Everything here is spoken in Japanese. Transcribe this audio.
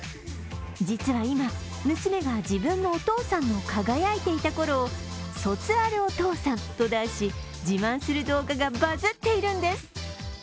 実は今、娘が自分のお父さんの輝いていた頃を「卒アルお父さん」と題し、自慢する動画がバズっているんです。